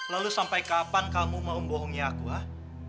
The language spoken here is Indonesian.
lalu sampai kapan kamu mau membohongi aku ah